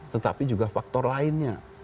tetapi juga faktor lainnya